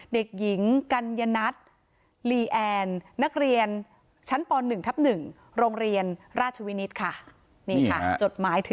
เด็กหญิงกัลยนัทรีแอมน์นักเรียนชั้นป๑๑โรงเรียนราชวินิศค่ะ